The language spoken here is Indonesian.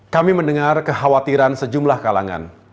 kami mendengar kekhawatiran sejumlah kalangan